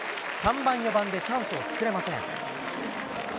３番、４番でチャンスを作れません。